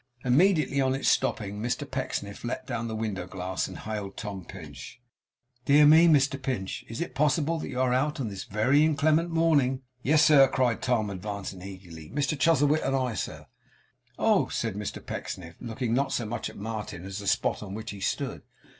Immediately on its stopping, Mr Pecksniff let down the window glass and hailed Tom Pinch. 'Dear me, Mr Pinch! Is it possible that you are out upon this very inclement morning?' 'Yes, sir,' cried Tom, advancing eagerly, 'Mr Chuzzlewit and I, sir.' 'Oh!' said Mr Pecksniff, looking not so much at Martin as at the spot on which he stood.